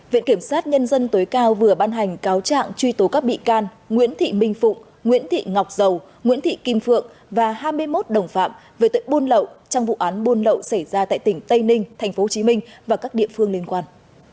viện kiểm sát nhân dân tối cao vừa ban hành cáo trạng truy tố các bị can nguyễn thị minh phụng nguyễn thị ngọc dầu nguyễn thị kim phượng và hai mươi một đồng phạm về tội buôn lậu trong vụ án buôn lậu xảy ra tại tỉnh tây ninh tp hcm và các địa phương liên quan